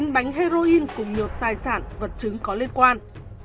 một mươi chín bánh heroin cùng nhiều tài sản vật chứng có liên quan